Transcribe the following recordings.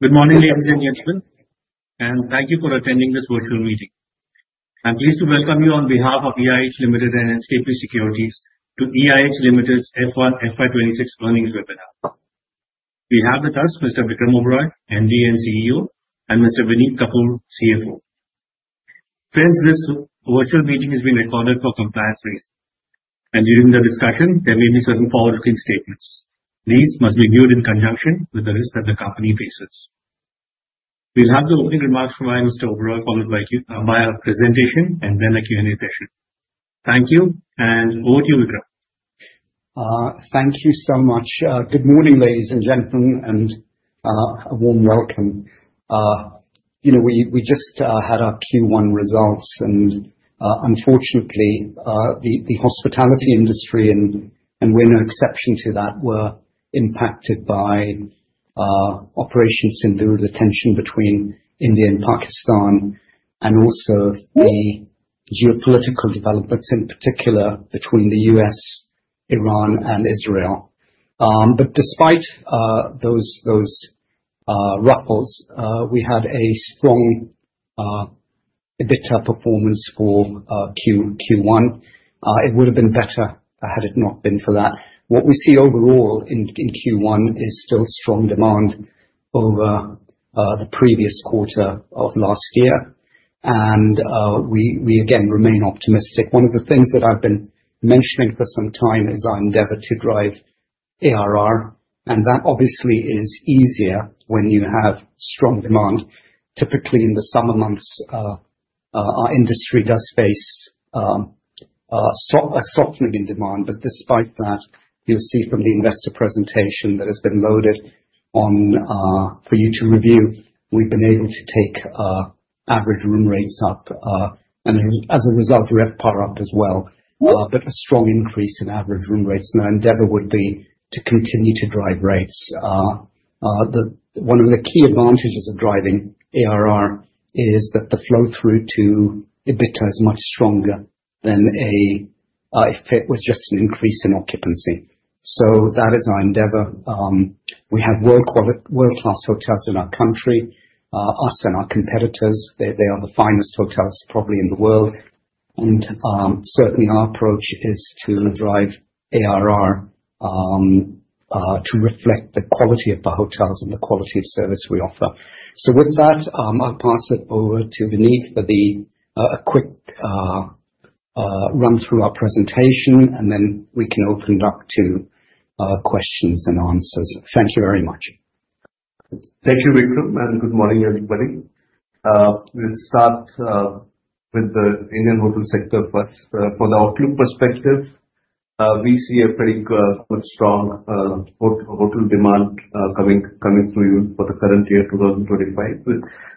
Good morning, ladies and gentlemen, and thank you for attending this virtual meeting. I'm pleased to welcome you on behalf of EIH Limited and SKP Securities to EIH Limited's FY 2026 Earnings Webinar. We have with us Mr. Vikram Oberoi, Managing Director and CEO, and Mr. Vineet Kapur, Chief Financial Officer. Friends, this virtual meeting is being recorded for compliance reasons. During the discussion, there will be certain forward-looking statements. These must be viewed in conjunction with the risks that the company faces. We'll have the opening remarks from our Mr. Oberoi followed by our presentation and then a Q&A session. Thank you, and over to you, Vikram. Thank you so much. Good morning, ladies and gentlemen, and a warm welcome. You know, we just had our Q1 results, and unfortunately, the hospitality industry, and we're no exception to that, were impacted by operations in lieu of the tension between India and Pakistan, and also the geopolitical developments, in particular between the U.S., Iran, and Israel. Despite those ruffles, we had a strong EBITDA performance for Q1. It would have been better had it not been for that. What we see overall in Q1 is still strong demand over the previous quarter of last year, and we again remain optimistic. One of the things that I've been mentioning for some time is our endeavor to drive ARR, and that obviously is easier when you have strong demand. Typically, in the summer months, our industry does face a softening in demand, but despite that, you'll see from the investor presentation that has been loaded for you to review, we've been able to take average room rates up, and as a result, we have powered up as well. A strong increase in average room rates, and our endeavor would be to continue to drive rates. One of the key advantages of driving ARR is that the flow-through to EBITDA is much stronger than if it was just an increase in occupancy. That is our endeavor. We have world-class hotels in our country, us and our competitors, they are the finest hotels probably in the world, and certainly, our approach is to drive ARR to reflect the quality of the hotels and the quality of service we offer. With that, I'll pass it over to Vineet for a quick run-through of our presentation, and then we can open it up to questions and answers. Thank you very much. Thank you, Vikram, and good morning, everybody. We'll start with the Indian hotel sector first. From the outlook perspective, we see a pretty good, strong hotel demand coming through for the current year, 2025.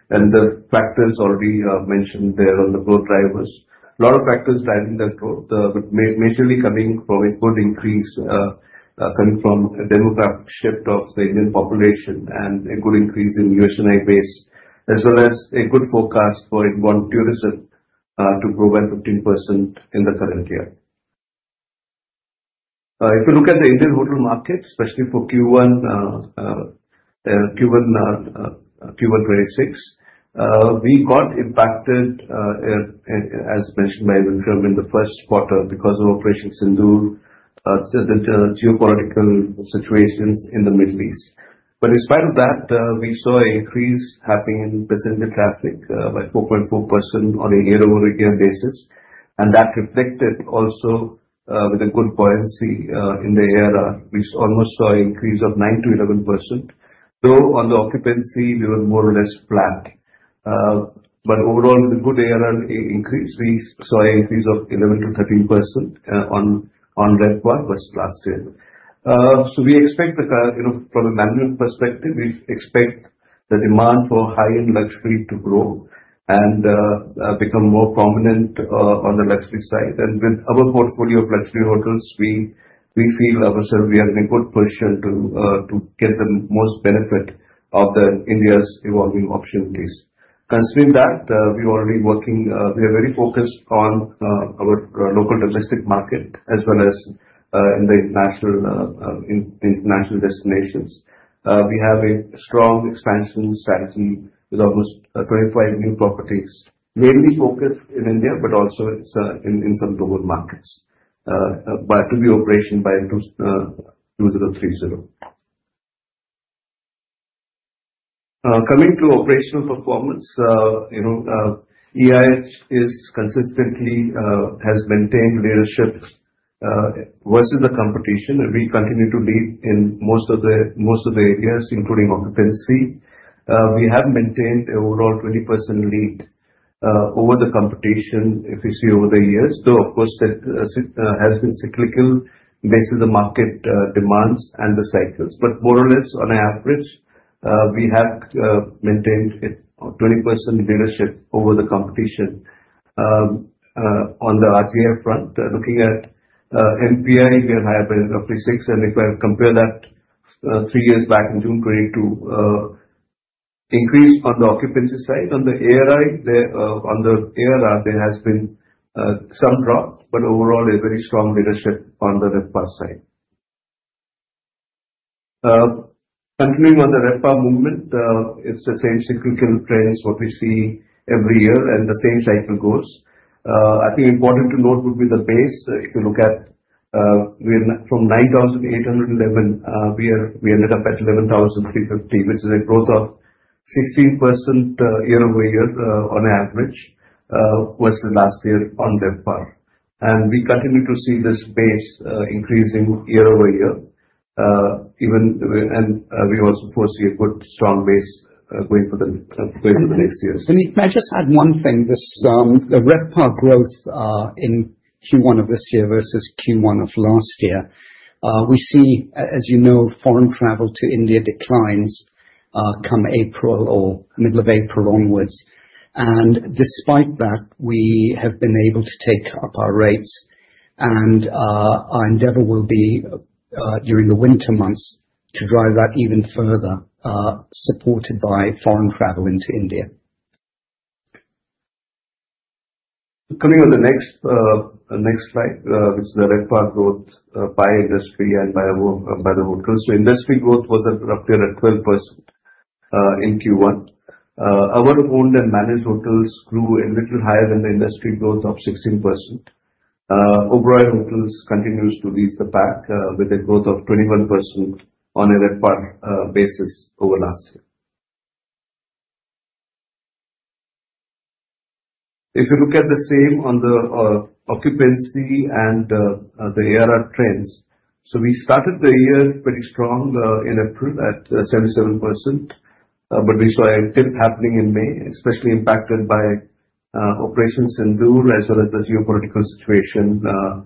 The factors already mentioned there on the growth drivers. A lot of factors driving the growth, but majorly coming from a good increase coming from a demographic shift of the Indian population and a good increase in the Asian-based, as well as a good forecast for inbound tourism to grow by 15% in the current year. If you look at the Indian hotel market, especially for Q1- 2026, we got impacted, as mentioned by Vikram, in the first quarter because of operations in lieu of the geopolitical situations in the Middle East. In spite of that, we saw an increase happening in passenger traffic by 4.4% on a year-over-year basis, and that reflected also with a good buoyancy in the ARR. We almost saw an increase of 9%-11%. Though on the occupancy, we were more or less flat. Overall, with a good ARR increase, we saw an increase of 11%-13% on RevPAR vs last year. We expect the, you know, from a manual perspective, we expect the demand for high-end luxury to grow and become more prominent on the luxury side. With our portfolio of luxury hotels, we feel ourselves we are in a good position to get the most benefit of India's evolving option base. Considering that, we're already working, we are very focused on our local domestic market as well as in the international destinations. We have a strong expansion strategy with almost 25 new properties, mainly focused in India, but also in some global markets. It will be operation by 2030. Coming to operational performance, you know, EIH consistently has maintained leadership vs the competition. We continue to lead in most of the areas, including occupancy. We have maintained an overall 20% lead over the competition efficiency over the years. Of course, that has been cyclical based on the market demands and the cycles. More or less, on average, we have maintained a 20% leadership over the competition. On the RGI front, looking at MPI, we are now up to six. If I compare that three years back in June 2022, increase on the occupancy side. On the ARR, there has been some drop, but overall, a very strong leadership on the RevPAR side. Continuing on the RevPAR movement, it's the same cyclical phrase what we see every year, and the same cycle goes. I think important to note would be the base. If you look at, we're from 9,811, we ended up at 11,350, which is a growth of 16% year-over-year on average vs last year on RevPAR. We continue to see this base increasing year-over-year, and we also foresee a good strong base going for the next years. If I just add one thing, this RevPAR growth in Q1 of this year vs Q1 of last year, we see, as you know, foreign travel to India declines come April or middle of April onwards. Despite that, we have been able to take up our rates, and our endeavor will be during the winter months to drive that even further, supported by foreign travel into India. Coming on the next slide, which is the RevPAR growth by industry and by the hotels. Industry growth was up to 12% in Q1. Our owned and managed hotels grew a little higher than the industry growth at 16%. Oberoi Hotels continues to lead the pack with a growth of 21% on a RevPAR basis over last year. If you look at the same on the occupancy and the ARR trends, we started the year pretty strong in April at 77%, but we saw it happening in May, especially impacted by operations in lieu as well as the geopolitical situation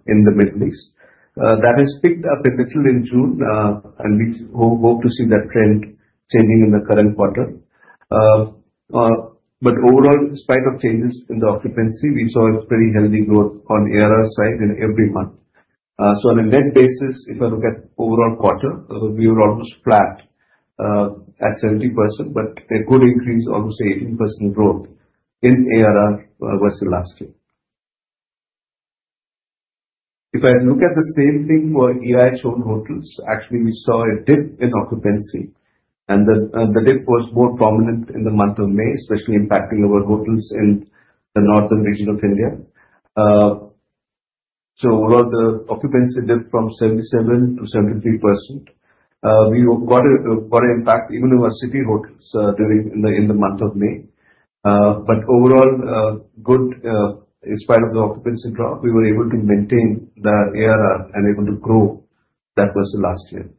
in the Middle East. That has picked up a little in June, and we hope to see that trend changing in the current quarter. Overall, in spite of changes in the occupancy, we saw a pretty healthy growth on the ARR side in every month. On a net basis, if I look at the overall quarter, we were almost flat at 70%, but a good increase, almost 18% growth in ARR vs last year. If I look at the same thing for EIH owned hotels, actually, we saw a dip in occupancy, and the dip was more prominent in the month of May, especially impacting our hotels in the northern region of India. Overall, the occupancy dipped from 77% to 73%. We got an impact even in our city hotels during the month of May. Overall, in spite of the occupancy drop, we were able to maintain the ARR and able to grow that vs last year.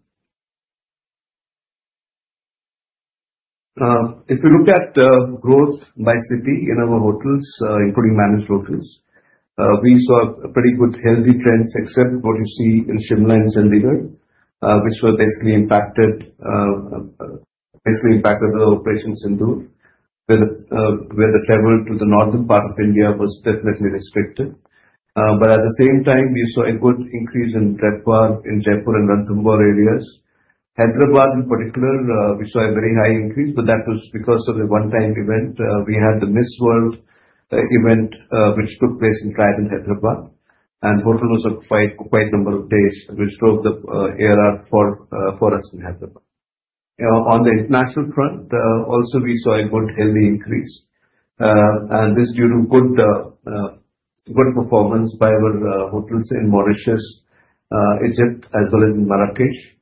If you look at growth by city in our hotels, including managed hotels, we saw a pretty good healthy trend, except what you see in Shimla and Chandigarh, which were basically impacted by the Operations Sindoor, where the travel to the northern part of India was definitely restricted. At the same time, we saw a good increase in RevPAR in Jaipur and Ranthambore areas. Hyderabad in particular, we saw a very high increase, but that was because of a one-time event. We had the Miss World event, which took place in Trident, Hyderabad, and the hotel was occupied quite a number of days, which drove the ARR for us in Hyderabad. On the international front, also, we saw a good healthy increase, and this was due to good performance by our hotels in Mauritius, Egypt, as well as in Marrakesh.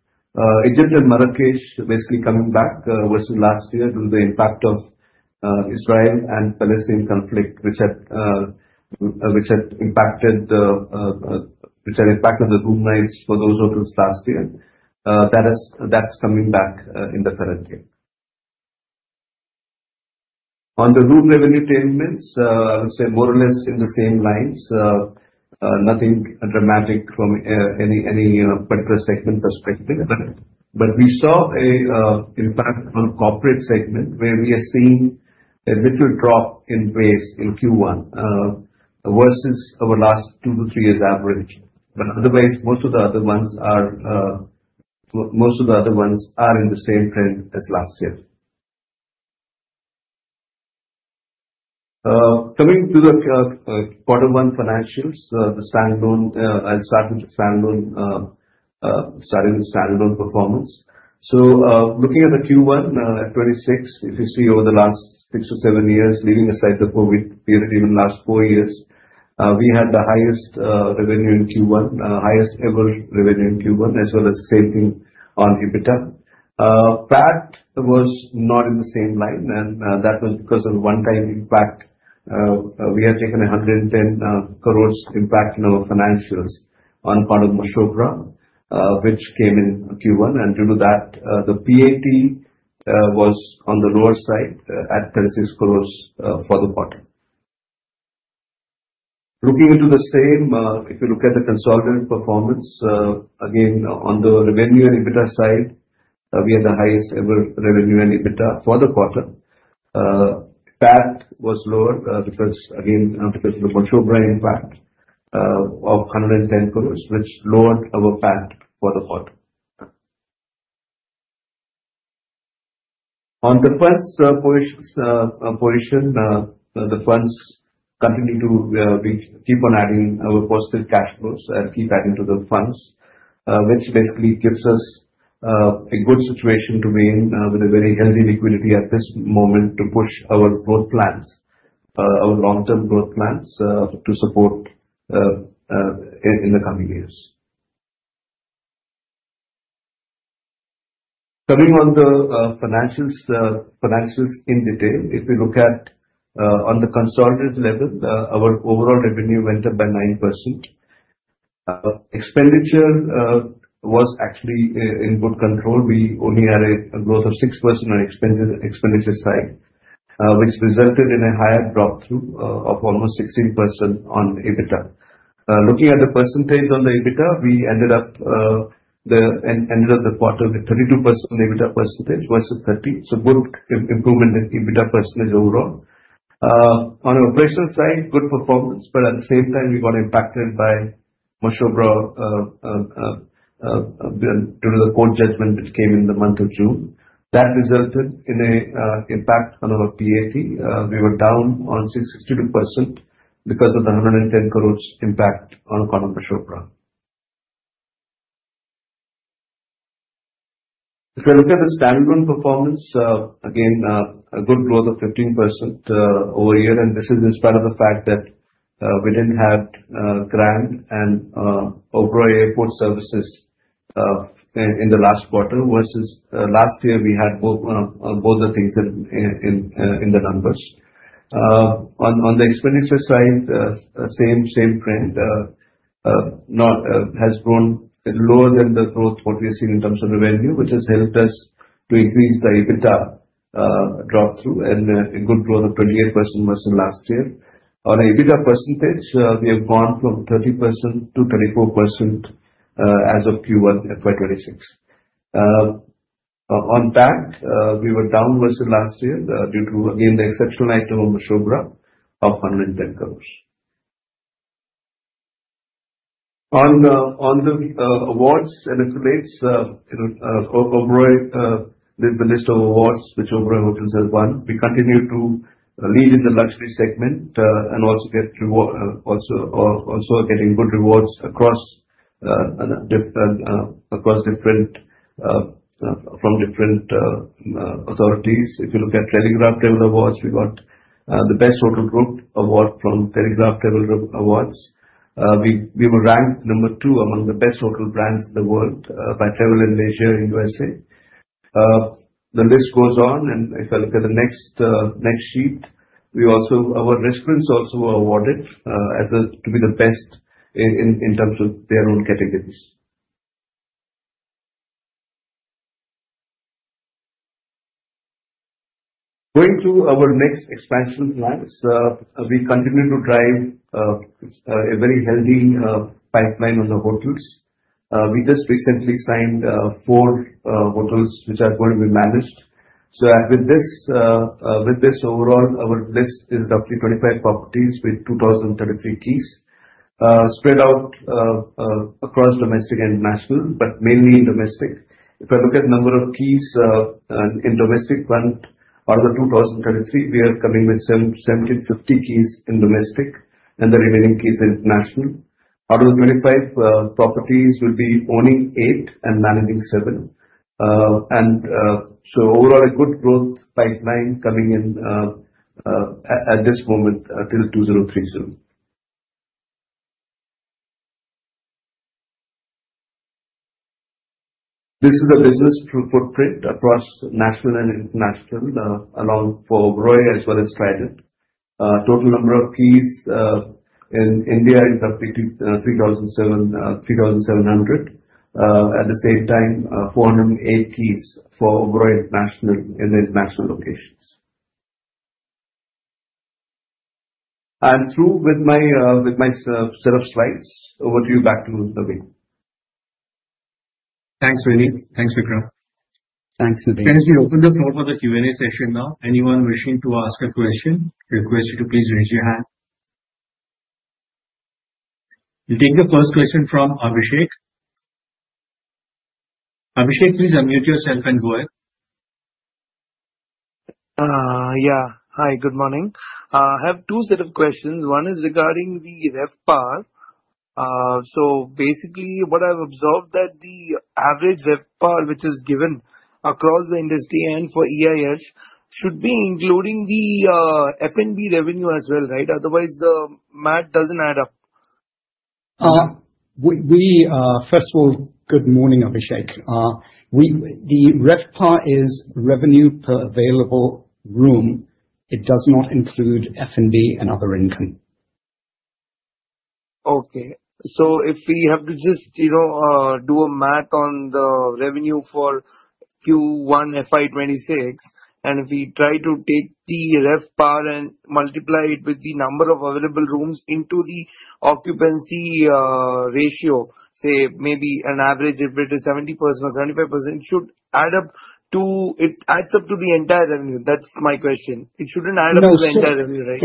Egypt and Marrakesh basically coming back vs last year due to the impact of the Israel and Palestine conflict, which had impacted the room rates for those hotels last year. That is coming back in the current year. On the room revenue tailwinds, I would say more or less in the same lines, nothing dramatic from any particular segment perspective. We saw an impact on the corporate segment where we are seeing a little drop in base in Q1 vs over the last 2-3 years' average. Otherwise, most of the other ones are in the same trend as last year. Coming to the quarter one financials, I'll start with the standalone performance. Looking at the Q1 at 2026, if you see over the last six or seven years, leaving aside the COVID period, even the last four years, we had the highest revenue in Q1, the highest ever revenue in Q1, as well as the same thing on EBITDA. PAT was not in the same line, and that was because of the one-time impact. We had taken 110 crore impact in our financials on Kondok Mashobra, which came in Q1. Due to that, the PAT was on the lower side at 36 crores for the quarter. Looking into the same, if you look at the consolidated performance, again, on the revenue and EBITDA side, we had the highest ever revenue and EBITDA for the quarter. PAT was lower again because of the Mashobra impact of 110 crores, which lowered our PAT for the quarter. On the funds provision, the funds continue to keep on adding our forced cash flows and keep adding to the funds, which basically gives us a good situation to be in with a very healthy liquidity at this moment to push our growth plans, our long-term growth plans to support in the coming years. Coming on the financials in detail, if you look at on the consolidated level, our overall revenue went up by 9%. Expenditure was actually in good control. We only had a growth of 6% on the expenditure side, which resulted in a higher drop through of almost 16% on EBITDA. Looking at the percentage on the EBITDA, we ended up the end of the quarter with 32% on EBITDA percentage vs 30%. Good improvement in EBITDA percentage overall. On the operational side, good performance, but at the same time, we got impacted by Mashobra due to the court judgment which came in the month of June. That resulted in an impact on our PAT. We were down 62% because of the 110 crores impact on Kondok Mashobra. If I look at the standalone performance, again, a good growth of 15% over a year, and this is in spite of the fact that we didn't have Oberoi Grand and Oberoi Airport Services in the last quarter vs last year. We had both the things in the numbers. On the expenditure side, the same trend has grown a little lower than the growth we've seen in terms of revenue, which has helped us to increase the EBITDA drop through and a good growth of 28% vs last year. On the EBITDA percentage, we have gone from 30%-34% as of Q1 FY 2026. On that, we were down vs last year due to, again, the exceptional item of Mashobra of INR 110 crore. On the awards and affiliates, Oberoi is the list of awards which Oberoi Hotels have won. We continue to lead in the luxury segment and also getting good rewards across different from different authorities. If you look at Telegraph Travel Awards, we got the Best Hotel Group Award from Telegraph Travel Awards. We were ranked number two among the best hotel brands in the world by Travel in Asia and USA. The list goes on, and if I look at the next sheet, we also, our restaurants also were awarded as to be the best in terms of their own categories. Going to our next expansion plans, we continue to drive a very healthy pipeline on the hotels. We just recently signed four hotels which are going to be managed. With this overall, our list is roughly 25 properties with 2,033 keys spread out across domestic and international, but mainly in domestic. If I look at the number of keys in domestic fund, out of the 2,033, we are coming with some 1,750 keys in domestic and the remaining keys in international. Out of the 25 properties, we'll be owning eight and managing seven. Overall, a good growth pipeline coming in at this moment till 2030. This is a business through footprint across national and international, allowing for Oberoi as well as Trident. Total number of keys in India is roughly 3,700, at the same time, 408 keys for Oberoi national and international locations. I'm through with my set of slides. Over to you, back to Navin. Thanks, Vineet. Thanks, Vikram. Thanks, Naveen. Thank you. Open the floor for the Q&A session now. Anyone wishing to ask a question, I request you to please raise your hand. We'll take the first question from Abhishek. Abhishek, please unmute yourself and go ahead. Yeah. Hi. Good morning. I have two sets of questions. One is regarding the RevPAR. What I've observed is that the average RevPAR, which is given across the industry and for EIH, should be including the F&B revenue as well, right? Otherwise, the math doesn't add up. First of all, good morning, Abhishek. The RevPAR is revenue per available room. It does not include F&B and other income. Okay. If we have to just, you know, do a math on the revenue for Q1 FY 2026, and we try to take the RevPAR and multiply it with the number of available rooms into the occupancy ratio, say maybe an average of 70% or 75%, should add up to, it adds up to the entire revenue. That's my question. It shouldn't add up to the entire revenue, right?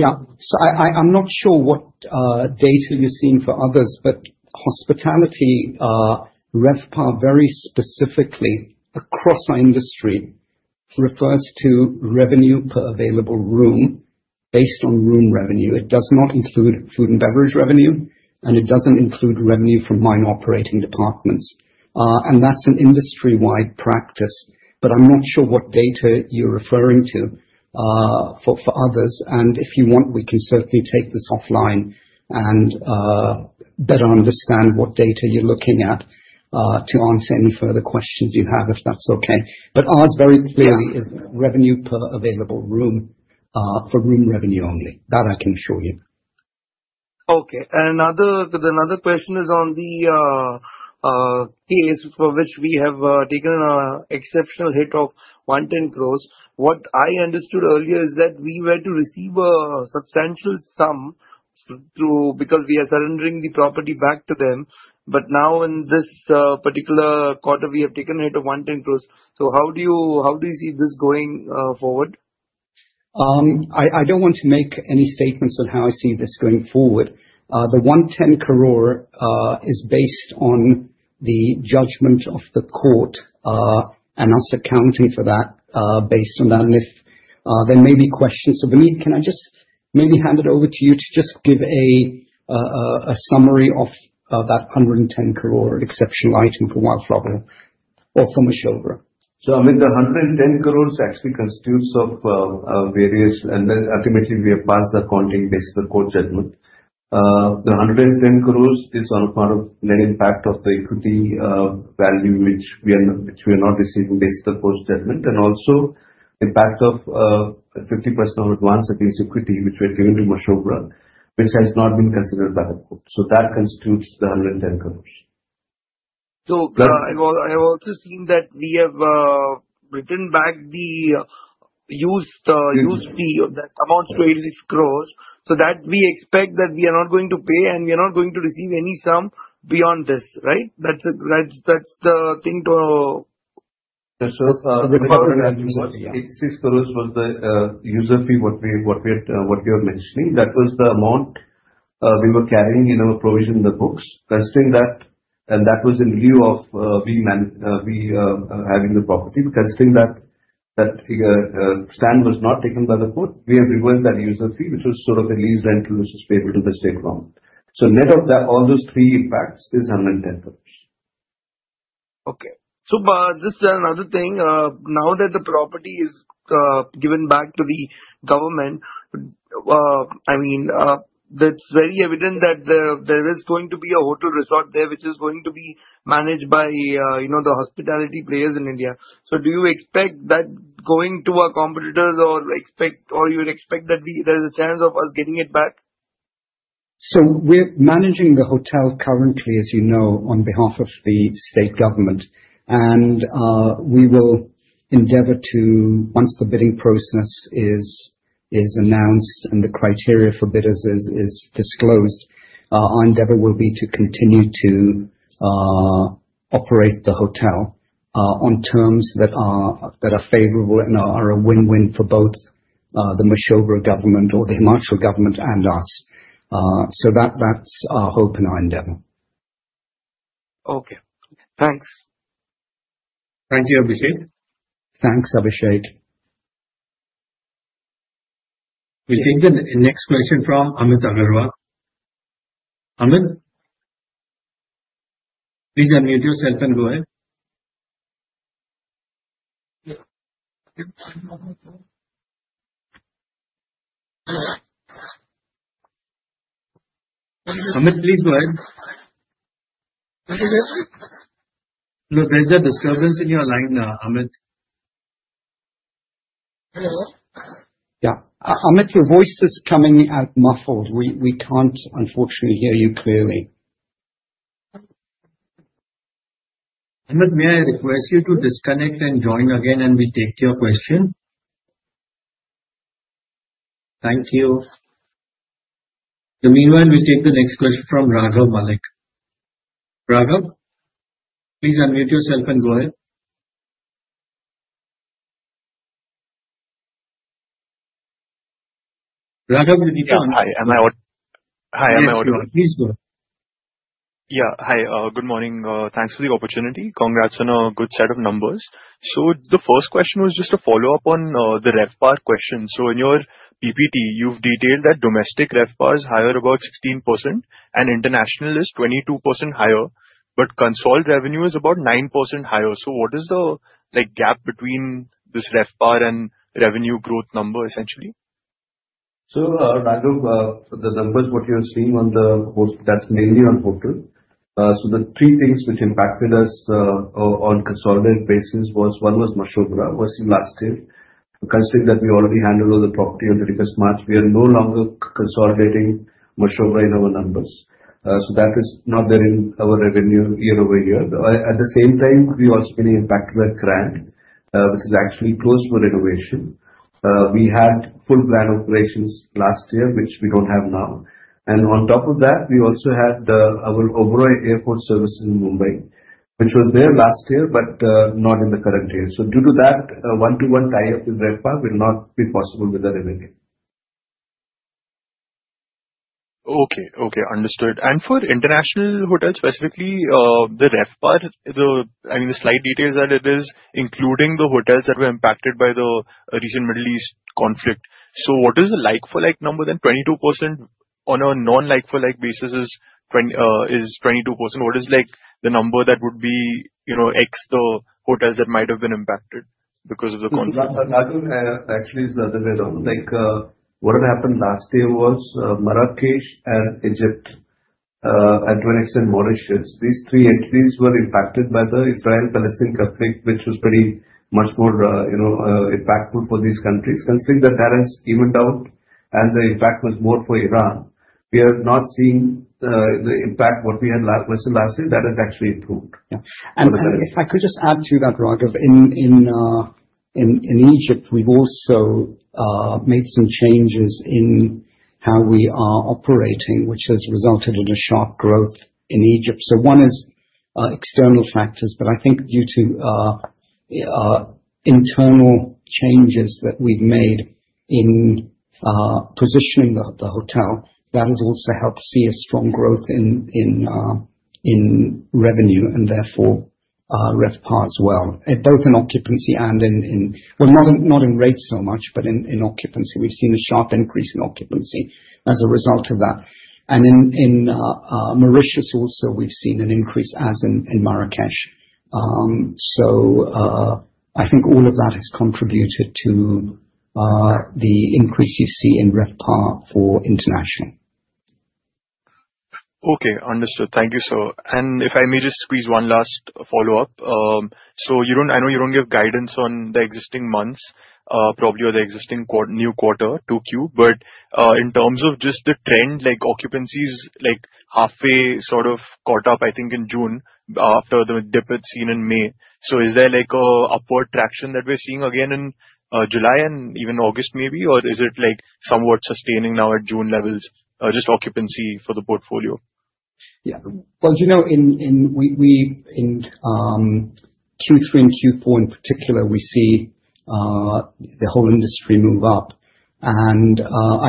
I'm not sure what data you've seen for others, but hospitality RevPAR very specifically across our industry refers to revenue per available room based on room revenue. It does not include food and beverage revenue, and it doesn't include revenue from non-operating departments. That's an industry-wide practice. I'm not sure what data you're referring to for others. If you want, we can certainly take this offline and better understand what data you're looking at to answer any further questions you have, if that's okay. Ours very clearly is revenue per available room for room revenue only. That I can assure you. Okay. Another question is on the case for which we have taken an exceptional hit of 110 crores. What I understood earlier is that we were to receive a substantial sum because we are surrendering the property back to them. Now, in this particular quarter, we have taken a hit of 110 crores. How do you see this going forward? I don't want to make any statements on how I see this going forward. The 110 crores is based on the judgment of the court and us accounting for that based on that. If there may be questions, Vineet, can I just maybe hand it over to you to just give a summary of that 110 crores exceptional item from Mashobra? The 110 crores actually constitutes various items, and ultimately, we have passed the accounting based on the court judgment. The 110 crores is a part of the impact of the equity value which we are not receiving based on the court's judgment, and also the impact of 50% of advance against equity, which we have given to Mashobra, which has not been considered by the court. That constitutes the 110 crores. I've also seen that we have written back the used fee that amounts to 86 crores. We expect that we are not going to pay, and we are not going to receive any sum beyond this, right? That's the thing too. That's right. The court admitted. INR 86 crores was the user fee, what you have mentioned to me. That was the amount we were carrying in our provision in the books. Considering that, and that was in lieu of having the property, considering that that stand was not taken by the court, we have reversed that user fee, which was sort of the lease rental, which was paid to the stakeholder. Net of all those three impacts is 110 crores. Okay. Just another thing. Now that the property is given back to the government, I mean, it's very evident that there is going to be a hotel resort there, which is going to be managed by the hospitality players in India. Do you expect that going to our competitors, or do you expect that there's a chance of us getting it back? We are managing the hotel currently, as you know, on behalf of the state government. We will endeavor to, once the bidding process is announced and the criteria for bidders is disclosed, our endeavor will be to continue to operate the hotel on terms that are favorable and are a win-win for both the Himachal government and us. That is our hope and our endeavor. Okay. Thanks. Thank you, Abhishek. Thanks, Abhishek. We'll take the next question from Amit Agarwal. Amit, please go ahead. No, there's a disturbance in your line, Amit. Yeah. Amit, your voice is coming out muffled. We can't, unfortunately, hear you clearly. Amit, may I request you to disconnect and join again and we take your question? Thank you. In the meanwhile, we'll take the next question from Raghav Malik. Raghav, please unmute yourself and go ahead. Raghav, you're on. Hi. Am I? Please go ahead. Yeah. Hi. Good morning. Thanks for the opportunity. Congrats on a good set of numbers. The first question was just a follow-up on the RevPAR question. In your PPT, you've detailed that Domestic RevPAR is higher, about 16%, and International is 22% higher, but Consolidated revenue is about 9% higher. What is the gap between this RevPAR and revenue growth number, essentially? Raghav, the numbers you're seeing, that's mainly on hotel. The three things which impacted us on a consolidated basis were, one was Mashobra vs last year. Considering that we already handled all the property on the 31st March, we are no longer consolidating Mashobra in our numbers. That is not there in our revenue year-over-year. At the same time, we also had an impact due to that Oberai Grand, which is actually close to renovation. We had full Oberai Grand operations last year, which we don't have now. On top of that, we also had our Oberoi Airport Services in Mumbai, which was there last year, but not in the current year. Due to that, a one-to-one tie-up with RevPAR will not be possible with the revenue. Okay. Understood. For international hotels, specifically the RevPAR, I mean, the slight detail that it is including the hotels that were impacted by the recent Middle East conflict. What is the like-for-like number? 22% on a non-like-for-like basis is 22%. What is the number that would be excluding the hotels that might have been impacted because of the conflict? Raghav, actually, it's the other way around. What had happened last year was Marrakesh and Egypt, and to an extent, Mauritius. These three entities were impacted by the Israel-Palestine conflict, which was pretty much more, you know, impactful for these countries. Considering that that has evened down and the impact was more for Iran, we are not seeing the impact of what we had last year. That has actually improved. If I could just add to that, Raghav, in Egypt, we've also made some changes in how we are operating, which has resulted in a sharp growth in Egypt. One is external factors, but I think due to internal changes that we've made in positioning the hotel, that has also helped see a strong growth in revenue and therefore RevPAR as well, both in occupancy and, not in rates so much, but in occupancy. We've seen a sharp increase in occupancy as a result of that. In Mauritius also, we've seen an increase as in Marrakesh. I think all of that has contributed to the increase you see in RevPAR for international. Okay. Understood. Thank you. If I may just squeeze one last follow-up. You don't, I know you don't give guidance on the existing months, probably or the existing new quarter, 2Q, but in terms of just the trend, like occupancy is halfway sort of caught up, I think, in June after the dip it's seen in May. Is there like an upward traction that we're seeing again in July and even August maybe, or is it like somewhat sustaining now at June levels, just occupancy for the portfolio? In Q3 and Q4 in particular, we see the whole industry move up. I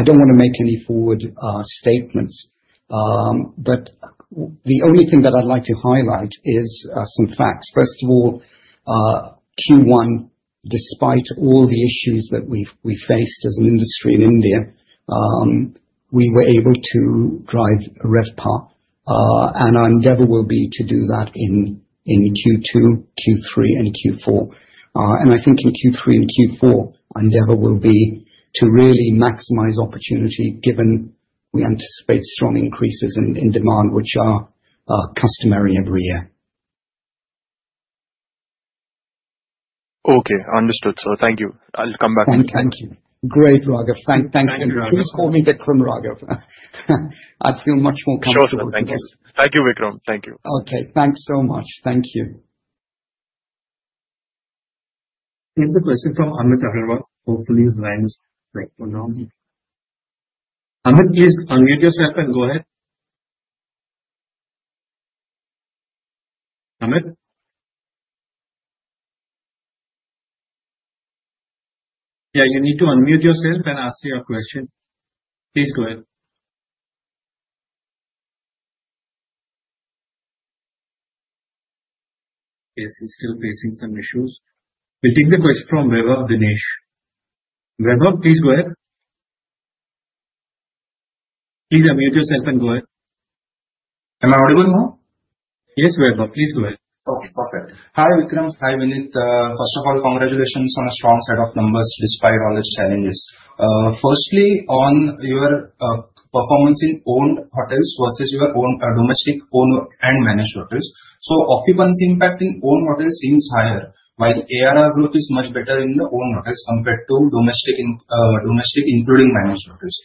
don't want to make any forward statements, but the only thing that I'd like to highlight is some facts. First of all, Q1, despite all the issues that we've faced as an industry in India, we were able to drive a RevPAR. Our endeavor will be to do that in Q2, Q3, and Q4. I think in Q3 and Q4, our endeavor will be to really maximize opportunity, given we anticipate strong increases in demand, which are customary every year. Okay. Understood. Thank you. I'll come back. Thank you. Great, Raghav. Thank you. Thank you. Please call me Vikram, Raghav. I'd feel much more comfortable. Sure. Thank you. Thank you, Vikram. Thank you. Okay, thanks so much. Thank you. Here's the question from Amit Agarwal. Hopefully, his line is going on. Amit, please unmute yourself and go ahead. Amit? Yeah. You need to unmute yourself and ask your question. Please go ahead. Yes. He's still facing some issues. We'll take the question from Vaibhav Dinesh. Vaibhav, please go ahead. Please unmute yourself and go ahead. Am I audible now? Yes, Vaibhav. Please go ahead. Okay. Perfect. Hi, Vikram. Hi, Vineet. First of all, congratulations on a strong set of numbers despite all these challenges. Firstly, on your performance in owned hotels vs your own domestic owned and managed hotels. Occupancy impact in owned hotels seems higher, while ARR growth is much better in the owned hotels compared to domestic, including managed hotels.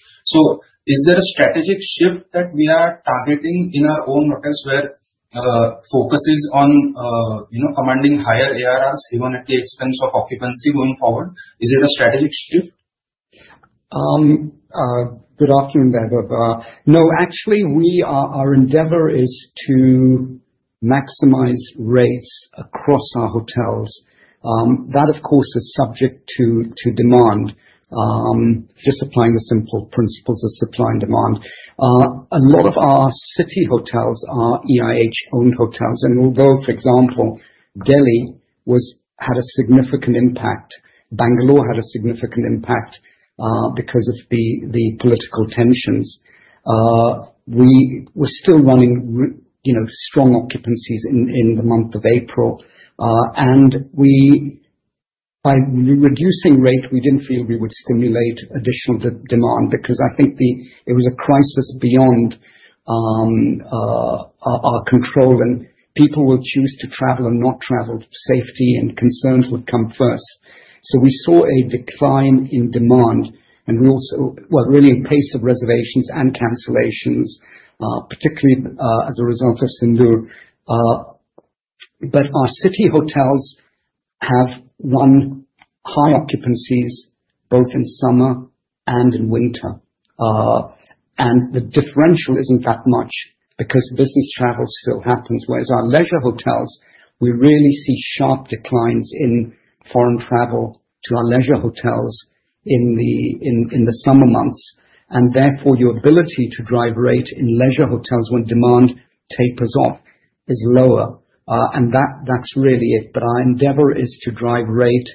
Is there a strategic shift that we are targeting in our owned hotels where the focus is on, you know, commanding higher ARRs even at the expense of occupancy going forward? Is it a strategic shift? Good afternoon, Vaibhav. No. Actually, our endeavor is to maximize rates across our hotels. That, of course, is subject to demand, just applying the simple principles of supply and demand. A lot of our city hotels are EIH-owned hotels. Although, for example, Delhi had a significant impact, Bangalore had a significant impact because of the political tensions, we were still running strong occupancies in the month of April. By reducing rates, we didn't feel we would stimulate additional demand because I think it was a crisis beyond our control, and people will choose to travel and not travel to safety, and concerns would come first. We saw a decline in demand, and also really a pace of reservations and cancellations, particularly as a result of Sindoor. Our city hotels have run high occupancies both in summer and in winter. The differential isn't that much because business travel still happens. Whereas our leisure hotels, we really see sharp declines in foreign travel to our leisure hotels in the summer months. Therefore, your ability to drive rate in leisure hotels when demand tapers off is lower. That's really it. Our endeavor is to drive rate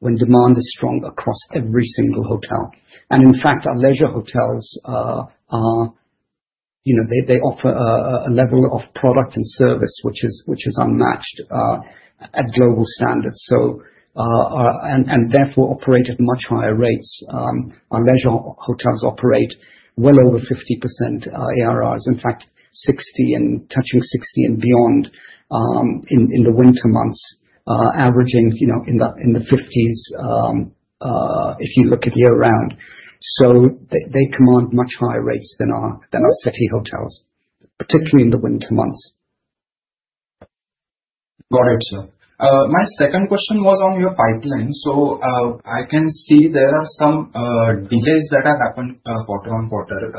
when demand is strong across every single hotel. In fact, our leisure hotels offer a level of product and service which is unmatched at global standards, and therefore operate at much higher rates. Our leisure hotels operate well over 50% ARRs. In fact, 60 and touching 60 and beyond in the winter months, averaging in the 50s if you look at year-round. They command much higher rates than our city hotels, particularly in the winter months. Got it, sir. My second question was on your pipeline. I can see there are some delays that have happened quarter on quarter.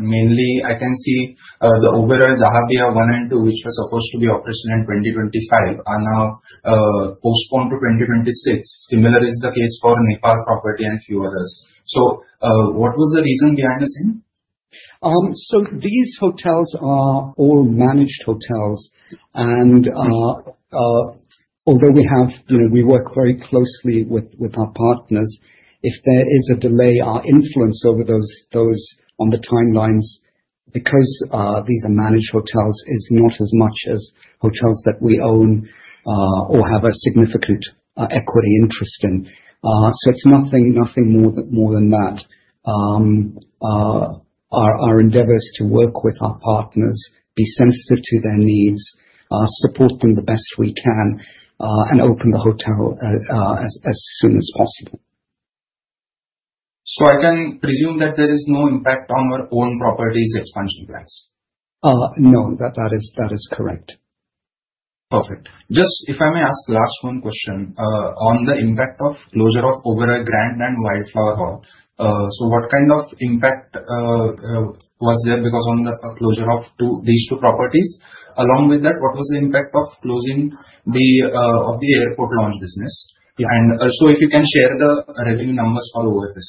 Mainly, I can see the Oberoi Dahabeya 1 and 2, which was supposed to be operational in 2025, are now postponed to 2026. Similar is the case for Nepal property and a few others. What was the reason behind this? These hotels are all managed hotels. Although we have, you know, we work very closely with our partners, if there is a delay, our influence over those on the timelines because these are managed hotels is not as much as hotels that we own or have a significant equity interest in. It's nothing more than that. Our endeavor is to work with our partners, be sensitive to their needs, support them the best we can, and open the hotel as soon as possible. I can presume that there is no impact on our own properties expansion plans. No, that is correct. Perfect. Just if I may ask last one question on the impact of closure of Oberoi Grand and Wildflower Hall. What kind of impact was there because of the closure of these two properties? Along with that, what was the impact of closing the airport lounge business? If you can share the revenue numbers all over this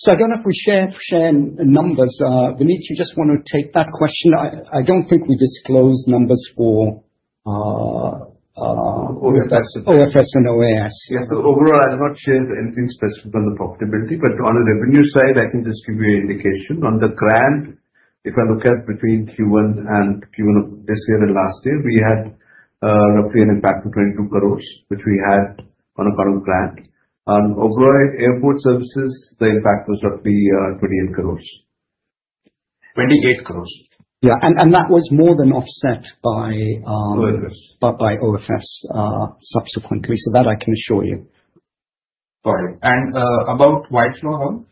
invoice. I don't know if we share numbers. Vineet, you just want to take that question? I don't think we disclose numbers for OFS and OAS. Yes. Oberoi, I'm not sure into anything specific on the profitability, but on the revenue side, I can just give you an indication. On the Oberoi Grand, if I look at between Q1 and Q1 of this year and last year, we had roughly an impact of 22 crores, which we had on a current Oberoi Grand. On Oberoi Airport Services, the impact was roughly 28 crores. 28 crores. Yeah, that was more than offset by. By OFS. By OFS subsequently, I can assure you. All right. About Wildflower Hall?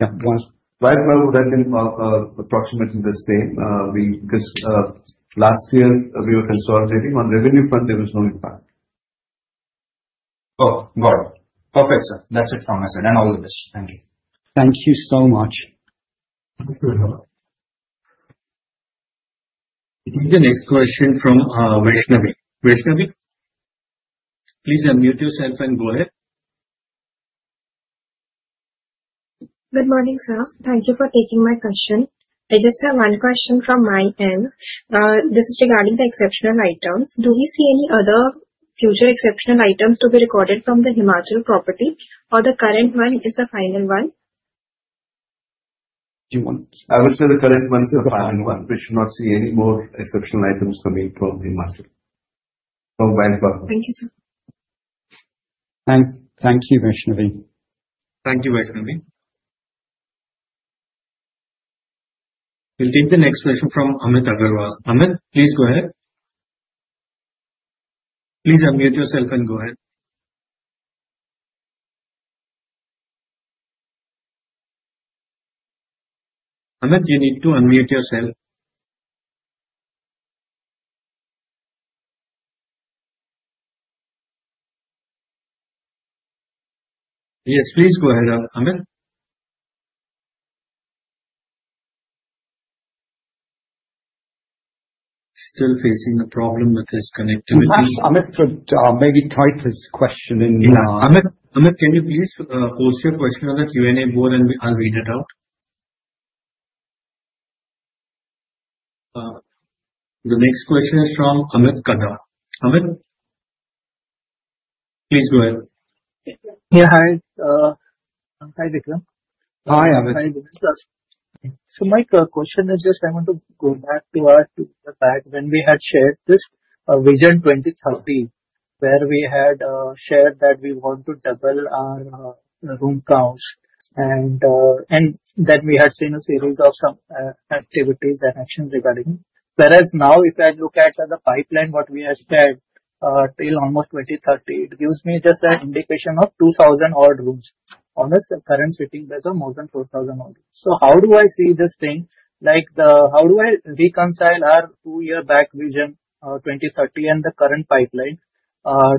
Yeah, Wildflower Hall would have been approximately the same because last year we were consolidating on revenue fund. There was no impact. Got it. Perfect, sir. That's it from my side. All the best. Thank you. Thank you so much. Thank you, Vaibhav. We'll take the next question from Vaishnavi. Vaishnavi, please unmute yourself and go ahead. Good morning, sir. Thank you for taking my question. I just have one question from my end. This is regarding the exceptional items. Do we see any other future exceptional items to be recorded from the Himachal property, or the current one is the final one? I would say the current one is the final one. We should not see any more exceptional items coming from Himachal, from Wildflower Hall. Thank you, sir. Thank you, Vaishnavi. Thank you, Vaishnavi. We'll take the next question from Amit Agarwal. Amit, please go ahead. Please unmute yourself and go ahead. Amit, you need to unmute yourself. Yes, please go ahead, Amit. Still facing problem with his connectivity. Amit could maybe type his question in here. Amit, can you please post your question on the Q&A board and I'll read it now? The next question is from Amit Kadam. Amit, please go ahead. Hi. Hi, Vikram. Hi, Amit. Hi, Vikram. My question is, I want to go back to our two years back when we had shared this Vision 2030, where we had shared that we want to double our room counts. We had seen a series of some activities and actions regarding it. If I look at the pipeline, what we have said till almost 2030, it gives me just an indication of 2,000 odd rooms. On this current sitting, there's more than 4,000 odd. How do I see this thing? How do I reconcile our two-year back Vision 2030 and the current pipeline?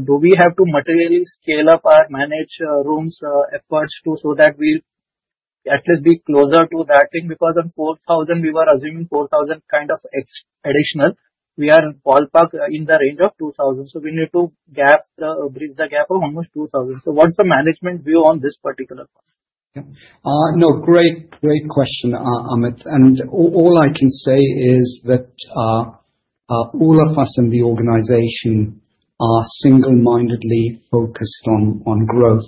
Do we have to materially scale up our managed rooms efforts so that we at least be closer to that thing? On 4,000, we were assuming 4,000 kind of additional. We are in the range of 2,000. We need to bridge the gap of almost 2,000. What's the management view on this particular part? Great, great question, Amit. All I can say is that all of us in the organization are single-mindedly focused on growth,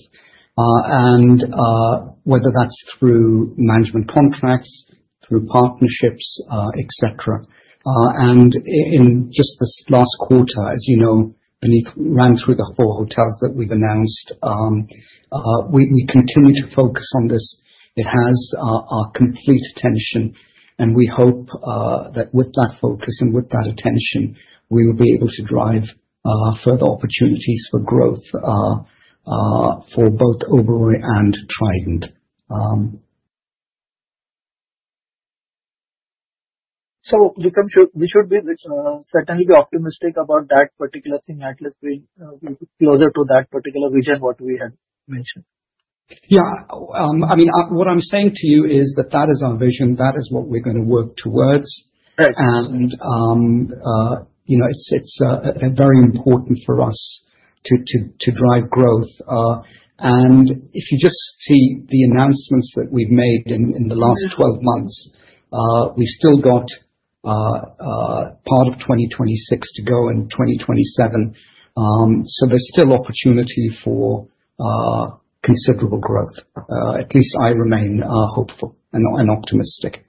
whether that's through management contracts, through partnerships, etc. In just this last quarter, as you know, Vineet ran through the four hotels that we've announced. We continue to focus on this. It has our complete attention. We hope that with that focus and with that attention, we will be able to drive further opportunities for growth for both Oberoi and Trident. Vikram, we should certainly be optimistic about that particular thing. At least we'll be closer to that particular vision we have mentioned. Yeah. I mean, what I'm saying to you is that that is our vision. That is what we're going to work towards. You know it's very important for us to drive growth. If you just see the announcements that we've made in the last 12 months, we've still got part of 2026 to go and 2027. There's still opportunity for considerable growth. At least I remain hopeful and optimistic.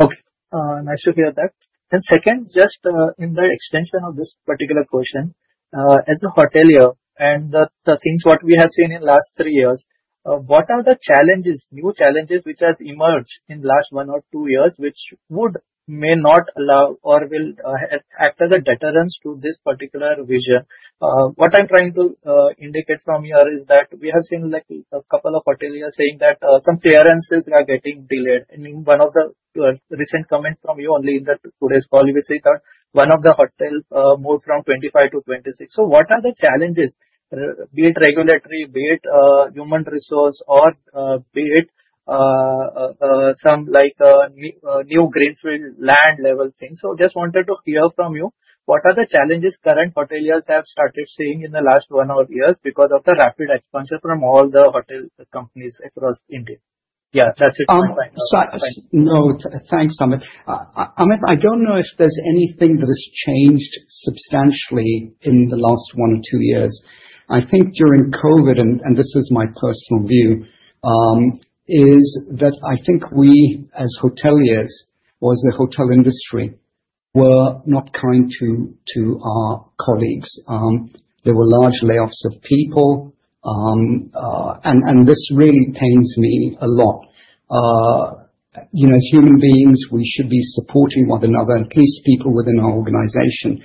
Okay. Nice to hear that. Just in the extension of this particular question, as the portfolio and the things we have seen in the last three years, what are the challenges, new challenges which have emerged in the last one or two years, which may not allow or will further deterrence to this particular vision? What I'm trying to indicate from here is that we have seen a couple of hotels saying that some clearances are getting delayed. I mean, one of the recent comments from you, only in today's call, you say that one of the hotels moves from 2025-2026. What are the challenges, be it regulatory, be it human resource, or be it some new greenfield land level things? I just wanted to hear from you, what are the challenges current hoteliers have started seeing in the last one or two years because of the rapid expansion from all the hotel companies across India? Yeah. That's it. Thanks. No, thanks, Amit. Amit, I don't know if there's anything that has changed substantially in the last one or two years. I think during COVID, and this is my personal view, is that I think we as hoteliers, as the hotel industry, were not kind to our colleagues. There were large layoffs of people, and this really pains me a lot. You know, as human beings, we should be supporting one another, at least people within our organization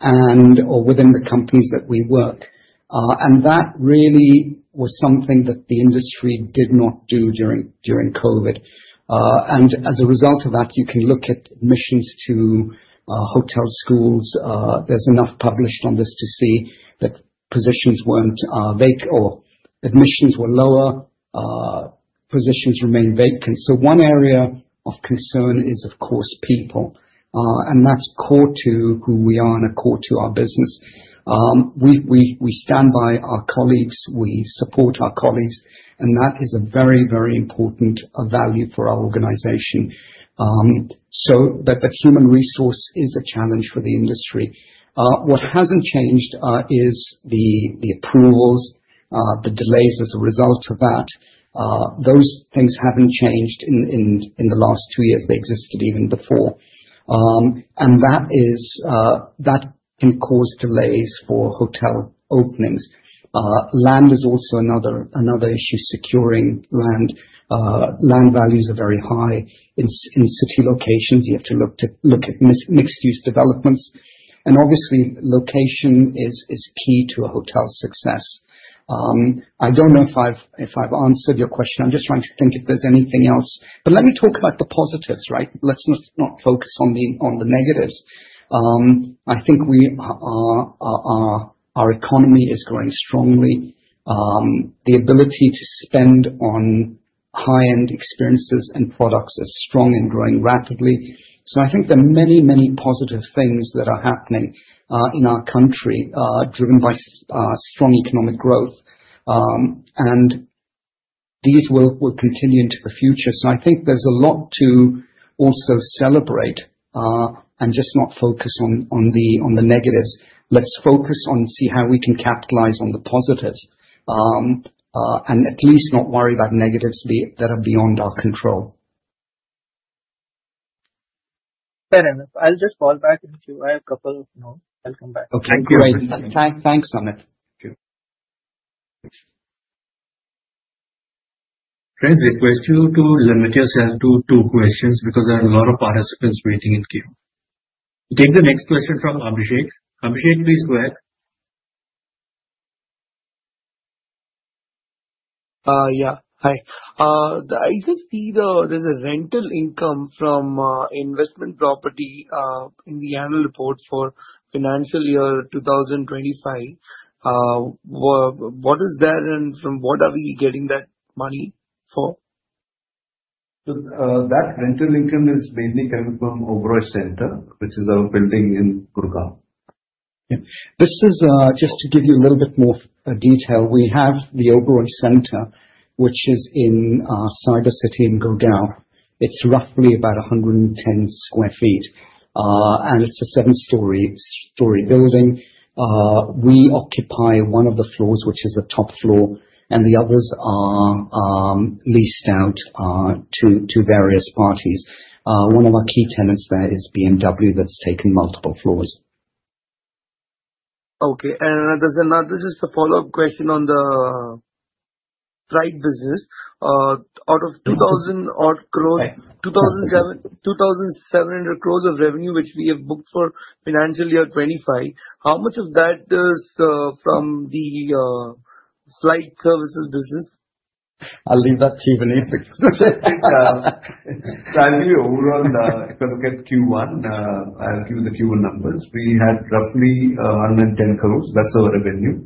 and within the companies that we work. That really was something that the industry did not do during COVID. As a result of that, you can look at admissions to hotel schools. There's enough published on this to see that positions weren't vacant or admissions were lower, positions remain vacant. One area of concern is, of course, people, and that's core to who we are and core to our business. We stand by our colleagues. We support our colleagues, and that is a very, very important value for our organization. That human resource is a challenge for the industry. What hasn't changed is the approvals, the delays as a result of that. Those things haven't changed in the last two years. They existed even before. That can cause delays for hotel openings. Land is also another issue, securing land. Land values are very high in city locations. You have to look at mixed-use developments, and obviously, location is key to a hotel's success. I don't know if I've answered your question. I'm just trying to think if there's anything else. Let me talk about the positives, right? Let's not focus on the negatives. I think our economy is growing strongly. The ability to spend on high-end experiences and products is strong and growing rapidly. I think there are many, many positive things that are happening in our country driven by strong economic growth, and these will continue into the future. I think there's a lot to also celebrate and just not focus on the negatives. Let's focus on seeing how we can capitalize on the positives and at least not worry about negatives that are beyond our control. Fair enough. I'll just fall back into a couple of notes. I'll come back. Okay. Thank you. Thanks, Amit. Thank you. Fantastic. We're still limited to two questions because there are a lot of participants waiting in queue. We'll take the next question from Abhishek. Abhishek, please go ahead. Yeah. Hi. I just see there's a rental income from investment property in the annual reports for financial year 2025. What is there, and from what are we getting that money for? That rental income is mainly coming from Oberoi Center, which is our building in Gurgaon. Okay. This is just to give you a little bit more detail. We have the Oberoi Center, which is in Cyber City in Gurgaon. It's roughly about 110,000 sq ft.. It's a seven-story building. We occupy one of the floors, which is the top floor, and the others are leased out to various parties. One of our key tenants there is BMW that's taken multiple floors. Okay. This is a follow-up question on the flight services business. Out of 2,000 odd crores, 2,700 crores of revenue, which we have booked for financial year 2025, how much of that is from the flight services business? I'll leave that to you, Vineet. I'll give you overall, if I look at Q1, I'll give you the Q1 numbers. We had roughly INR 110 crores. That's our revenue.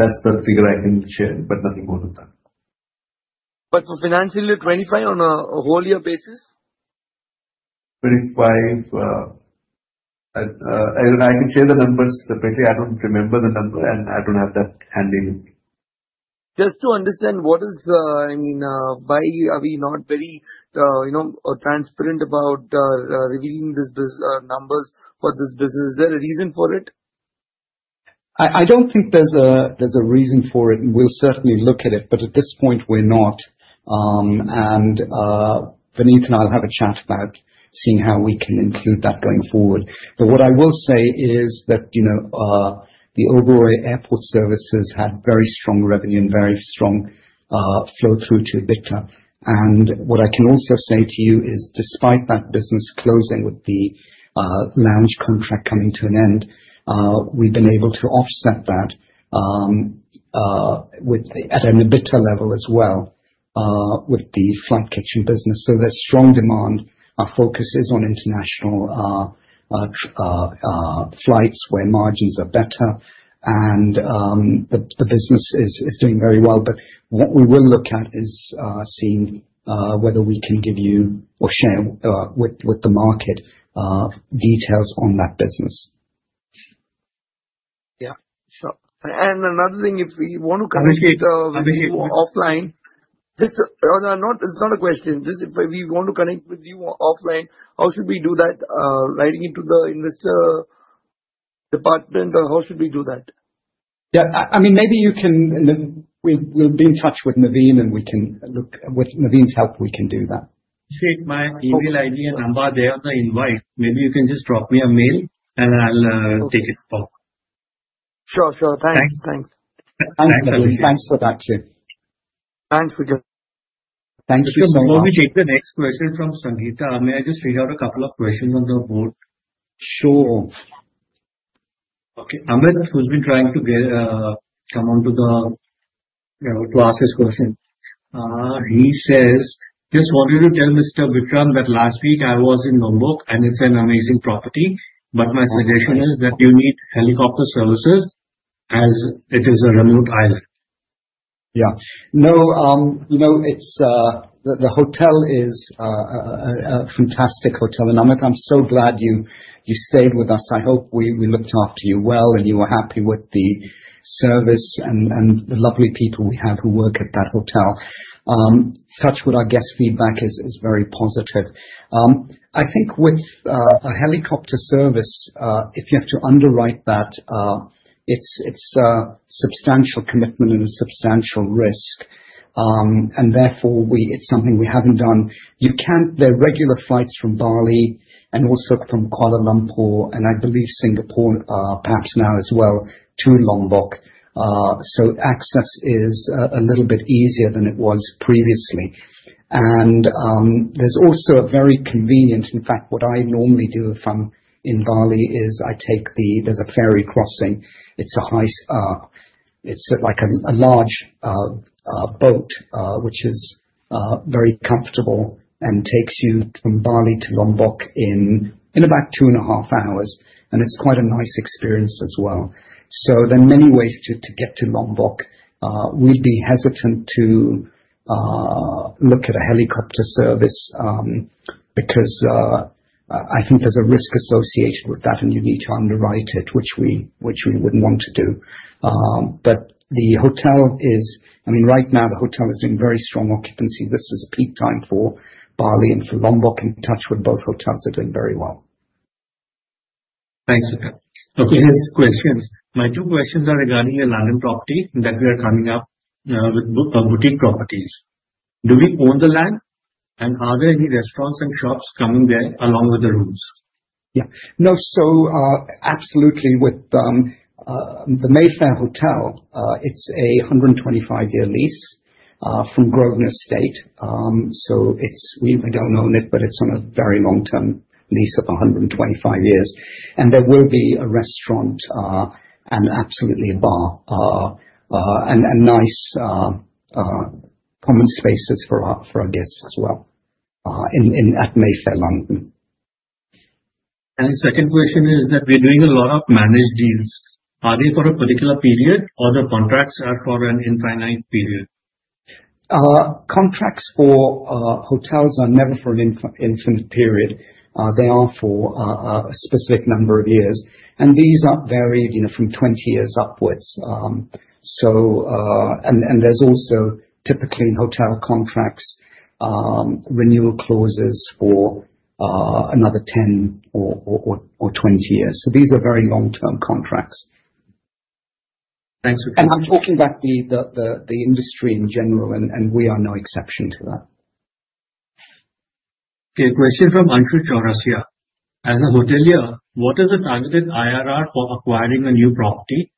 That's the figure I can share, but nothing more than that. For financial year 2025 on a whole year basis? 2025, I can share the numbers separately. I don't remember the number, and I don't have that handy with me. Just to understand what is, I mean, why are we not very, you know, transparent about revealing these numbers for this business? Is there a reason for it? I don't think there's a reason for it. We'll certainly look at it, but at this point, we're not. Vineet and I will have a chat about seeing how we can include that going forward. What I will say is that, you know, the Oberoi Airport Services had very strong revenue and very strong flow-through to EBITDA. What I can also say to you is, despite that business closing with the lounge contract coming to an end, we've been able to offset that at an EBITDA level as well with the flight kitchen business. There's strong demand. Our focus is on international flights where margins are better, and the business is doing very well. What we will look at is seeing whether we can give you or share with the market details on that business. Yeah. Sure. If we want to connect with you offline, just, or not, it's not a question. Just if we want to connect with you offline, how should we do that? Writing it to the investor department, or how should we do that? Yeah. I mean, maybe you can, and then we'll be in touch with Navin, and we can look at, with Navin's help, we can do that. My email ID and number, they are on the invite. Maybe you can just drop me a mail, and I'll take it forward. Sure, sure. Thanks. Thanks. Thanks, Vineet. Thanks for that, Vikramjit. Thanks, Abhishek. Thank you so much. Before we take the next question from Sandeep, may I just read out a couple of questions on the board? Sure. Amit has been trying to come onto the, you know, to ask his question. He says, "Just wanted to tell Mr. Vikram that last week I was in Lombok, and it's an amazing property. My suggestion is that you need helicopter services as it is a remote island. Yeah. No, you know, it's the hotel is a fantastic hotel. Amit, I'm so glad you stayed with us. I hope we looked after you well, and you were happy with the service and the lovely people we had who work at that hotel. Our guest feedback is very positive. I think with a helicopter service, if you have to underwrite that, it's a substantial commitment and a substantial risk. Therefore, it's something we haven't done. You can't, there are regular flights from Bali and also from Kuala Lumpur, and I believe Singapore pass now as well through Lombok. Access is a little bit easier than it was previously. There's also a very convenient, in fact, what I normally do if I'm in Bali is I take the ferry crossing. It's a high, it's like a large boat, which is very comfortable and takes you from Bali to Lombok in about 2.5 hours. It's quite a nice experience as well. There are many ways to get to Lombok. We'd be hesitant to look at a helicopter service because I think there's a risk associated with that, and you need to underwrite it, which we wouldn't want to do. The hotel is, I mean, right now, the hotel is doing very strong occupancy. This is peak time for Bali and for Lombok, and Taj, with both hotels, are doing very well. Thanks, Vikram. Okay. Next question. My two questions are regarding your land and property, and that we are coming up with Boutique Properties. Do we own the land, and are there any restaurants and shops coming there along with the rooms? Absolutely, with the Mayfair Hotel, it's a 125-year lease from Grosvenor Estate. We don't own it, but it's on a very long-term lease of 125 years. There will be a restaurant, a bar, and nice common spaces for our guests as well at Mayfair, London. The second question is that we're doing a lot of managed deals. Are they for a particular period, or are the contracts for an infinite period? Contracts for hotels are never for an infinite period. They are for a specific number of years. These are varied, you know, from 20 years upwards. There's also, typically, in hotel contracts, renewal clauses for another 10 or 20 years. These are very long-term contracts. Thanks, Vikram. I'm talking about the industry in general, and we are no exception to that. Okay. Question from Anshul Chaurasia. As a hotelier, what is the targeted IRR for acquiring a new property?